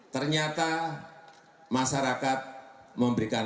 ternyata masyarakat memberikan